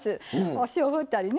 お塩をふったりね